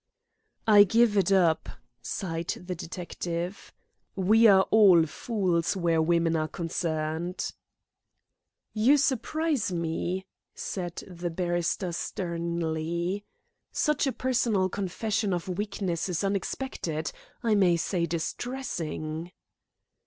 "I give it up," sighed the detective. "We are all fools where women are concerned." "You surprise me," said the barrister sternly. "Such a personal confession of weakness is unexpected I may say distressing."